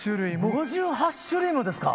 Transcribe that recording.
５８種類もですか！？